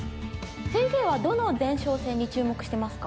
先生はどの前哨戦に注目してますか？